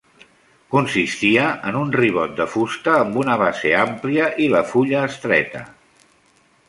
Consistia en un ribot de fusta amb una base àmplia i la fulla estreta.